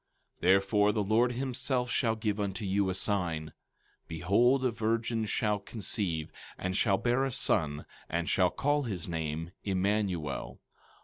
17:14 Therefore, the Lord himself shall give you a sign—Behold, a virgin shall conceive, and shall bear a son, and shall call his name Immanuel.